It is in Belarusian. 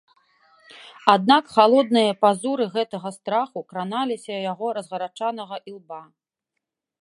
Аднак халодныя пазуры гэтага страху краналіся яго разгарачанага ілба.